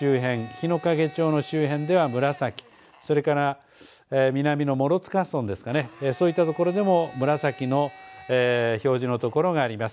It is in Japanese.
日之影町の周辺では紫、それから南の諸塚村ですかね、そういった所でも紫の表示のところがあります。